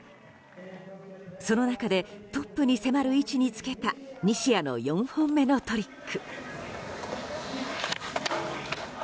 その中でトップに迫る位置につけた西矢の４本目のトリック。